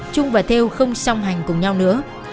trung và theo không song hành cùng nhau nữa